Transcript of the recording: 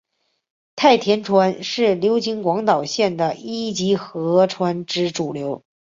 太田川是流经广岛县的一级河川之主流。